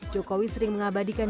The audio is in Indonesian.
jokowi sering mengabadikan